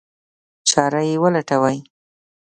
چاره یې ولټوي.